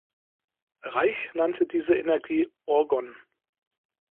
Reich nannte diese Energie ‚Orgon‘.